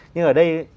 nhưng ở đây